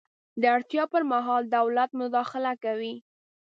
د اړتیا پر مهال دولت مداخله کوي.